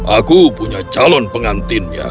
aku punya calon pengantinnya